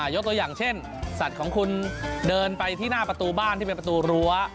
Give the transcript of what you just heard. ยกตัวอย่างเช่นสัตว์ของคุณเดินไปที่หน้าประตูบ้านที่เป็นประตูรั้ว